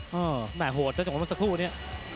แหน่หัวจะจงเหมือนเมื่อสักครู่นี้